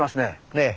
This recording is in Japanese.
ねえ。